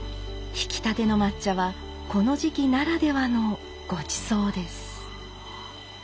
ひきたての抹茶はこの時期ならではのごちそうです。